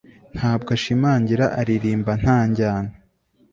ntabwo ashimangira, aririmba nta njyana